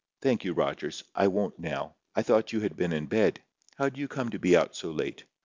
"Thank you, Rogers. I won't now. I thought you had been in bed. How do you come to be out so late?"